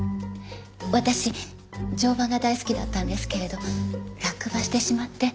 私乗馬が大好きだったんですけれど落馬してしまって。